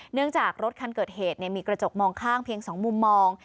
เนื่องจากรถคันเกิดเหตุมีกระจกมองข้างเพียง๒มุมมอง